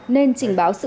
nên trình báo sử dụng